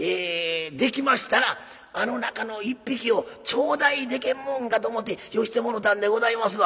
できましたらあの中の１匹を頂戴でけんもんかと思てよしてもろたんでございますが」。